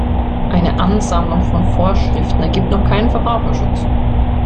Eine Ansammlung von Vorschriften ergibt noch keinen Verbraucherschutz!